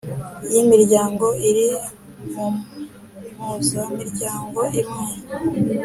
y imiryango iri mu mpuzamiryango imwe